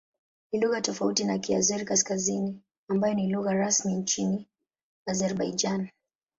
Ni lugha tofauti na Kiazeri-Kaskazini ambayo ni lugha rasmi nchini Azerbaijan.